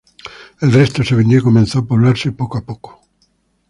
El resto se vendió y comenzó a poblarse poco a poco.